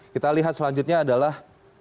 kita lihat selanjutnya adalah